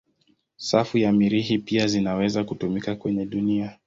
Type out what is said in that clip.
Safu za Mirihi pia zinaweza kutumika kwenye dunia.